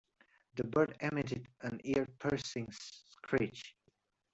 The bird emitted an ear-piercing screech.